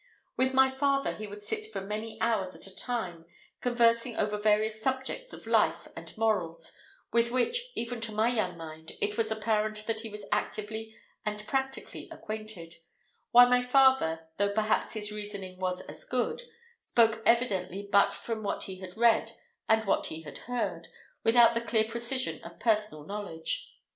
With my father he would sit for many hours at a time, conversing over various subjects of life and morals, with which, even to my young mind, it was apparent that he was actively and practically acquainted; while my father, though perhaps his reasoning was as good, spoke evidently but from what he had read and what he had heard, without the clear precision of personal knowledge.